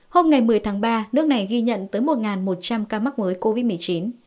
hôm ngày một mươi tháng ba nước này ghi nhận tới một một trăm linh ca mắc mới covid một mươi chín